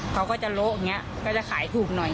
เขาก็จะโละอย่างนี้ก็จะขายถูกหน่อย